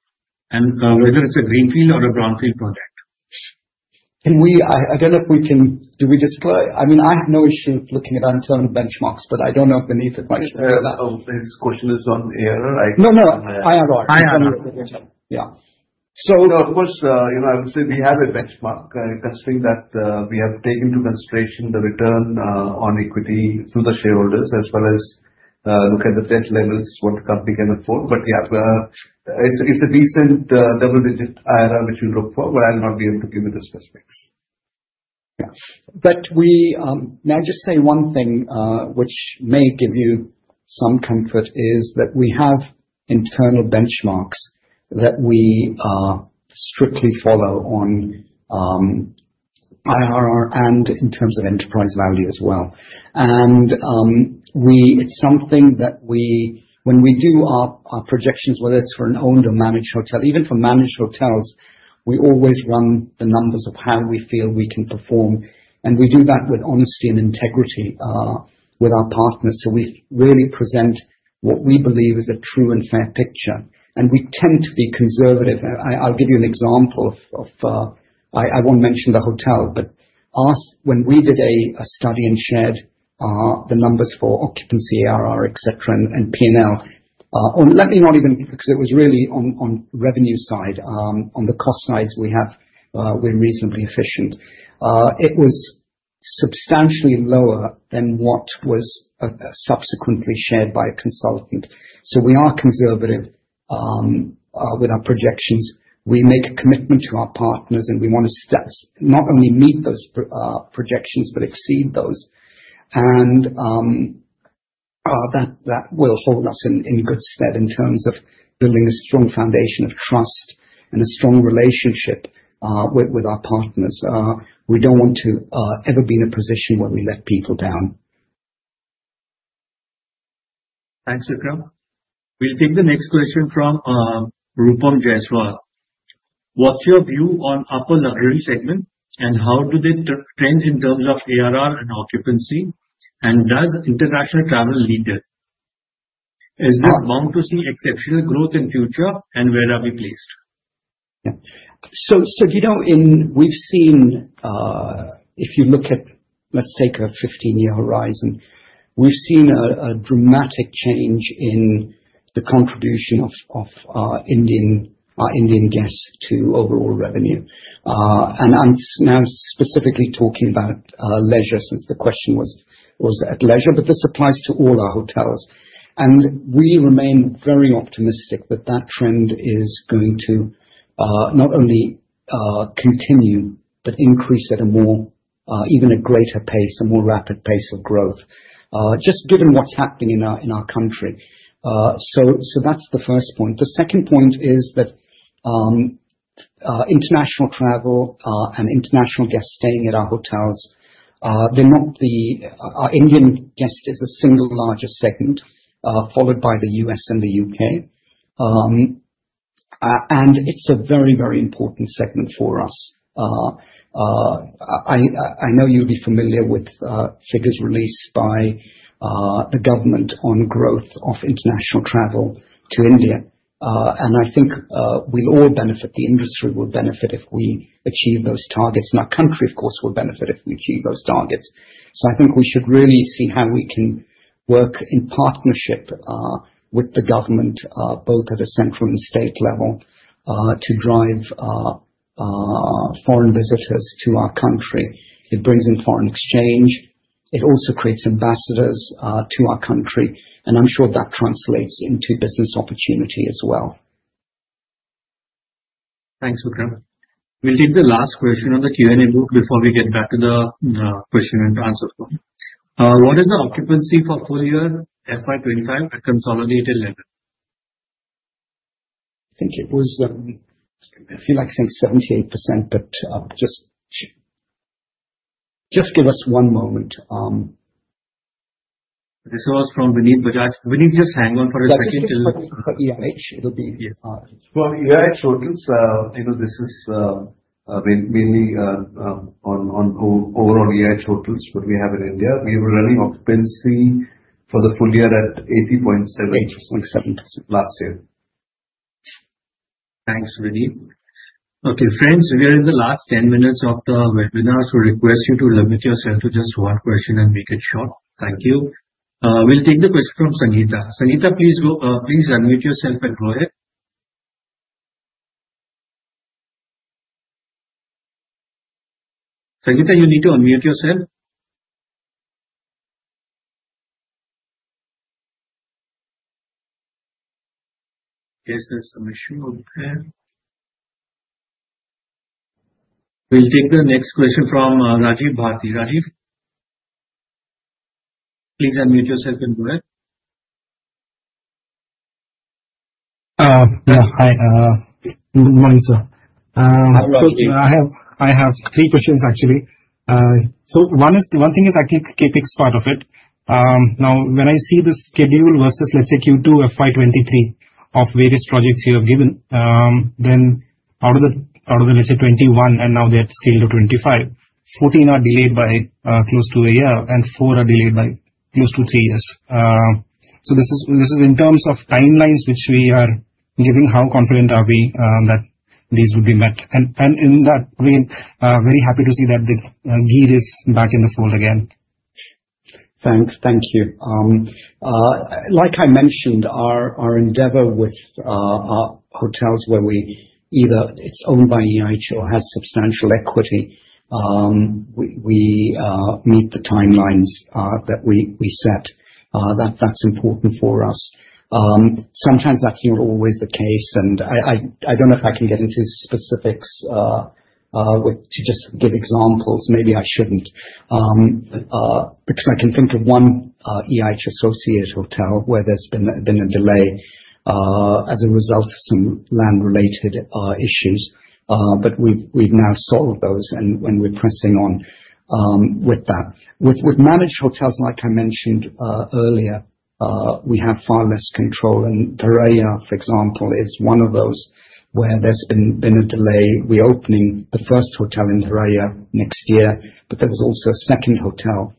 Whether it's a Greenfield or a Brownfield project. I don't know if we can, do we disclose? I mean, I have no issue looking at internal benchmarks, but I don't know if Vineet might. Oh, this question is on IRR? No, no IRR. Yeah. Of course, you know, I would say we have a benchmark considering that we have taken into consideration the return on equity through the shareholders, as well as look at the debt levels, what the company can afford. Yeah, it's a decent double-digit IRR which we look for. I'll not be able to give you the specifics. We now just say one thing, which may give you some comfort, is that we have internal benchmarks that we strictly follow on IRR and in terms of enterprise value as well. It's something that we, when we do our projections, whether it's for an owned or managed hotel, even for managed hotels, we always run the numbers of how we feel we can perform. We do that with honesty and integrity with our partners. We really present what we believe is a true and fair picture. We tend to be conservative. I'll give you an example. I won't mention the hotel, but when we did a study and shared the numbers for occupancy, ARR, etc., and P&L, or let me not even because it was really on revenue side. On the cost side, we have been reasonably efficient. It was substantially lower than what was subsequently shared by a consultant. We are conservative with our projections. We make a commitment to our partners, and we want to not only meet those projections but exceed those. That will hold us in good stead in terms of building a strong foundation of trust and a strong relationship with our partners. We don't want to ever be in a position where we let people down. Thanks, Vikram. We'll take the next question from Rupam Jaiswal. What's your view on upper luxury segment, and how do they trend in terms of ARR and occupancy? Does international travel lead there? Is the amount to see exceptional growth in the future, and where are we placed? Yeah. You know, if you look at, let's take a 15-year horizon, we've seen a dramatic change in the contribution of our Indian guests to overall revenue. I'm now specifically talking about leisure since the question was at leisure, but this applies to all our hotels. We remain very optimistic that trend is going to not only continue but increase at an even greater pace, a more rapid pace of growth, just given what's happening in our country. That's the first point. The second point is that international travel and international guests staying at our hotels, our Indian guests are the single largest segment, followed by the U.S. and the U.K. It's a very, very important segment for us. I know you'll be familiar with figures released by the government on growth of international travel to India. I think we all benefit. The industry will benefit if we achieve those targets. Our country, of course, will benefit if we achieve those targets. I think we should really see how we can work in partnership with the government, both at a central and state level, to drive foreign visitors to our country. It brings in foreign exchange. It also creates ambassadors to our country. I'm sure that translates into business opportunity as well. Thanks, Vikram. We'll take the last question on the Q&A board before we get back to the question and answer form. What is the occupancy portfolio FY 2025 at consolidated level? I think it was, I feel like it's 78%, but just give us one moment. This was from Vineet Bajaj. Vineet, just hang on for a second. EIH, it'll be easier. EIH Hotels, you know, this is mainly on overall EIH Hotels, what we have in India. We were running occupancy for the full year at 80.7% last year. Thanks, Vineet.Okay. Friends, we are in the last 10 minutes of the webinar. We request you to limit yourself to just one question and make it short. Thank you. We'll take the question from Sangeeta. Sangeeta, please unmute yourself and go ahead. Sangeeta, you need to unmute yourself. Yes, there's a question over there. We'll take the next question from Rajiv Bharati. Rajiv, please unmute yourself and go ahead. Hi. Good morning, sir. Hello. I have three questions, actually. One thing is I can keep each part of it. Now, when I see the schedule vs, let's say, Q2 FY 2023 of various projects you have given, then out of the, let's say, 2021, and now they're still to 2025, 14 are delayed by close to a year, and 4 are delayed by close to three years. This is in terms of timelines which we are giving. How confident are we that these would be met? In that way, very happy to see that the gear is back in the fold again. Thanks. Thank you. Like I mentioned, our endeavor with hotels where either it's owned by EIH Limited or has substantial equity, we meet the timelines that we set. That's important for us. Sometimes that's not always the case. I don't know if I can get into specifics to just give examples. Maybe I shouldn't, because I can think of one EIH Limited associated hotel where there's been a delay as a result of some land-related issues. We've now solved those, and we're pressing on with that. With managed hotels, like I mentioned earlier, we have far less control. Diriyah, for example, is one of those where there's been a delay reopening the first hotel in Diriyah next year. There was also a second hotel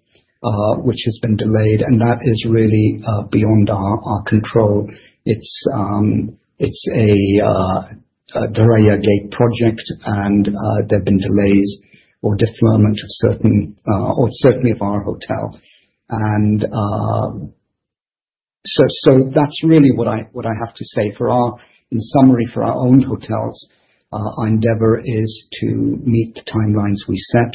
which has been delayed, and that is really beyond our control. It's a Diriyah Gate project, and there have been delays or deferments of certain, or certainly of our hotel. That's really what I have to say. In summary, for our own hotels, our endeavor is to meet the timelines we set.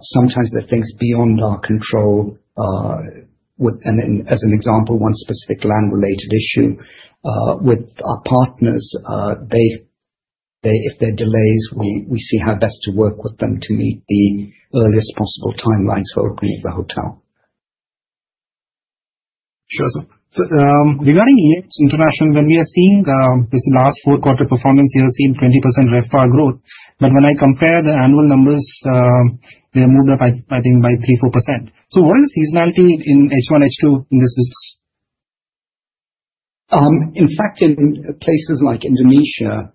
Sometimes there are things beyond our control. As an example, one specific land-related issue with our partners, if there are delays, we see how best to work with them to meet the earliest possible timelines for opening the hotel. Sure, sir. Regarding EIH International, when we are seeing this last four-quarter performance, we are seeing 20% FR growth. When I compare the annual numbers, they moved up, I think, by 3%, 4%. What is the seasonality in H1, H2 in this business? In fact, in places like Indonesia,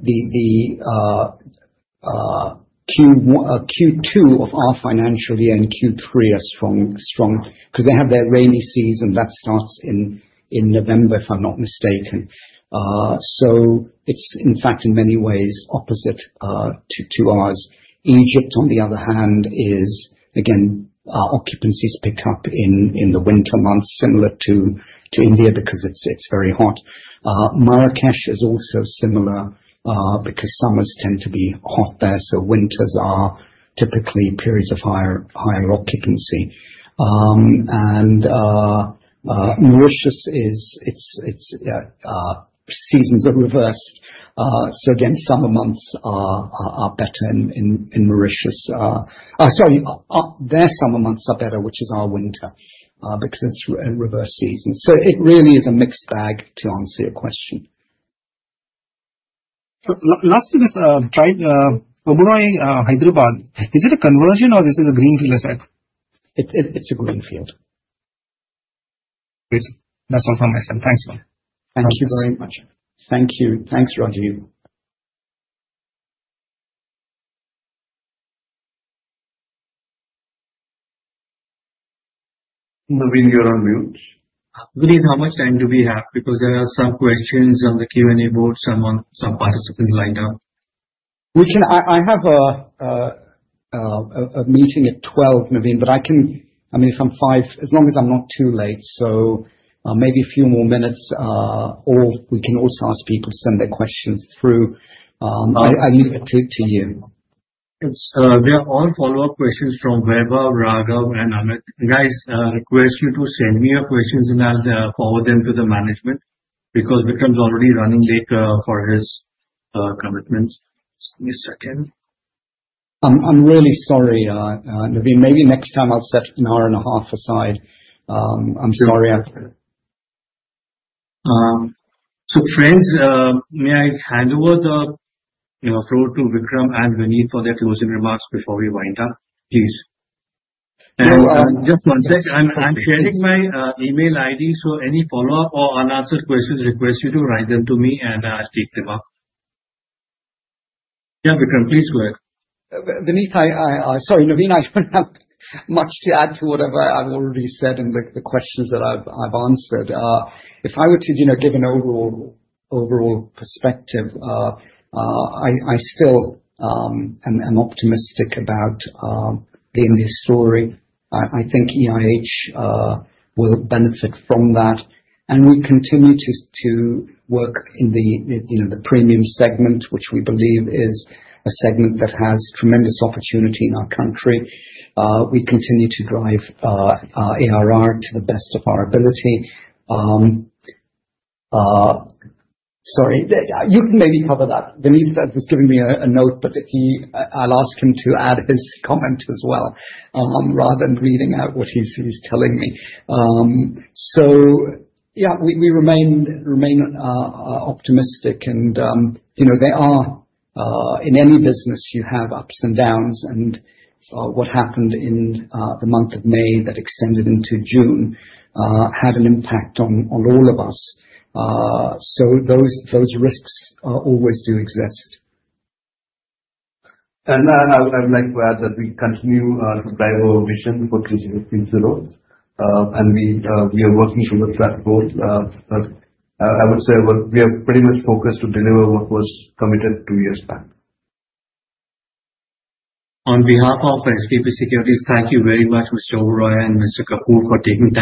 the Q2 of our financial year and Q3 are strong because they have their rainy season that starts in November, if I'm not mistaken. It's, in fact, in many ways opposite to ours. Egypt, on the other hand, is, again, occupancies pick up in the winter months, similar to India because it's very hot. Marrakesh is also similar because summers tend to be hot there. Winters are typically in periods of higher occupancy. Mauritius is, its seasons are reversed. Summer months are better in Mauritius. Sorry, their summer months are better, which is our winter because it's in reverse season. It really is a mixed bag, to answer your question. Last thing is, right, Oberoi Hyderabad, is it a Conversion or is it a Greenfield? It's a Greenfield. Great. That's all from my side. Thanks. Thank you very much. Thank you. Thanks, Rajiv. Navin, you're on mute. Vineet, how much time do we have? Because there are some questions on the Q&A board. Some participants lined up. I have a meeting at 12:00, Navin, but I can, I mean, if I'm five, as long as I'm not too late. Maybe a few more minutes, or we can also ask people to send their questions through. I leave it to you. We have all follow-up questions from Vaibhav, Raghav, and Amit. Guys, I request you to send me your questions and I'll forward them to the management because Mr. Vikram is already running late for his commitments. Give me a second. I'm really sorry, Navin. Maybe next time I'll set an hour and a half aside. I'm sorry. Friends, may I hand over the floor to Vikram and Vineet for their closing remarks before we wind up, please? I'm sharing my email ID. Any follow-up or unanswered questions, I request you to write them to me and I'll take them up. Yeah, Vikram, please go ahead. Vineet, I'm sorry. Navin, I don't have much to add to whatever I've already said and with the questions that I've answered. If I were to give an overall perspective, I still am optimistic about being the story. I think EIH will benefit from that. We continue to work in the premium segment, which we believe is a segment that has tremendous opportunity in our country. We continue to drive ARR to the best of our ability. Sorry. You can maybe cover that. Vineet was giving me a note, but I'll ask him to add his comment as well, rather than reading out what he's telling me. We remain optimistic. You know, there are, in any business, you have ups and downs. What happened in the month of May that extended into June had an impact on all of us. Those risks always do exist. I would like to add that we continue to drive our vision before 2050, and we are working towards that goal. I would say we are pretty much focused to deliver what was committed two years back. On behalf of ST&P Securities, thank you very much to Mr. Oberoi and Mr. Kapur for taking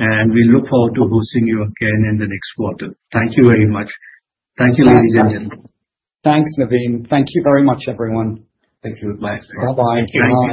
time out to patiently answer all the queries. We look forward to hosting you again in the next quarter. Thank you very much. Thank you, ladies and gentlemen. Thanks, Navin. Thank you very much, everyone. Thank you, Navin. Bye-bye. Bye-bye.